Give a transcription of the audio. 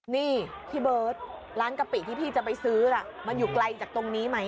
นี่พี่เบิร์ตร้านกะปิที่พี่จะไปซื้อล่ะมันอยู่ไกลจากตรงนี้ไหม